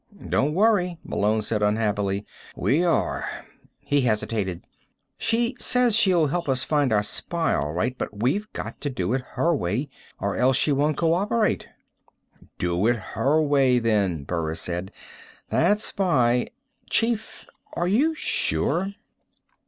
"Don't worry," Malone said unhappily. "We are." He hesitated. "She says she'll help us find our spy, all right, but we've got to do it her way or else she won't co operate." "Do it her way, then," Burris said. "That spy " "Chief, are you sure?"